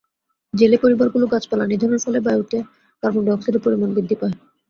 জেলে পরিবারগুলো গাছপালা নিধনের ফলে বায়ুতে কার্বন ডাই-অক্সাইডের পরিমাণ বৃদ্ধি পায়।